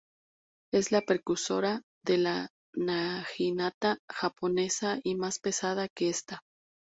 Es la precursora de la Naginata japonesa y más pesada que esta.